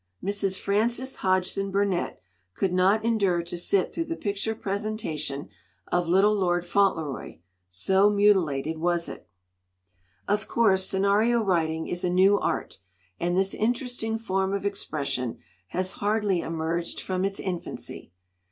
"Mrs. Frances Hodgson Burnett could not en dure to sit through the picture presentation of Little Lord Fauntleroy, so mutilated was it. 246 "CHOCOLATE FUDGE 5 "Of course, scenario writing is a new art, and this interesting form of expression has hardly emerged from its infancy.